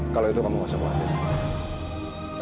kalau itu kamu gak usah khawatir